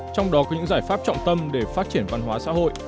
trong đó có những giải pháp trọng tâm để phát triển văn hóa xã hội